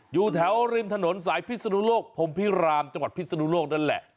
อยู่แถวริมถนนสายพิศนุโลกพรมพิรามจังหวัดพิศนุโลกนั่นแหละ